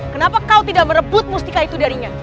kenapa kau tidak merebut mustika itu darinya